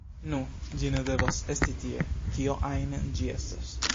“Nu, ĝi ne devas esti tie, kio ajn ĝi estas.